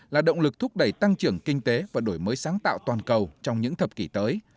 là động lực thúc đẩy tăng trưởng kinh tế và đổi mới sáng tạo toàn cầu trong những thập kỷ tới